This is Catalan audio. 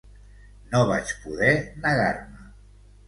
No vaig poder negar-me.